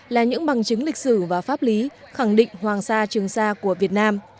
là những bằng chứng lịch sử và pháp lý khẳng định hoàng sa trường sa của việt nam